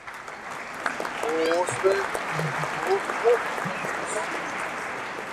Poste li plu verkis.